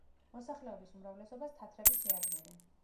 მოსახლეობის უმრავლესობას თათრები შეადგენენ.